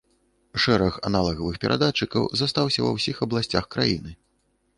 Шэраг аналагавых перадатчыкаў застаўся ва ўсіх абласцях краіны.